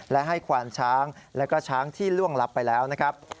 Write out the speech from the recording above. และให้ควานช้างและก็ช้างที่ล่วงลับไปแล้วนะครับ